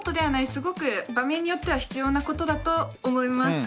すごく場面によっては必要なことだと思います。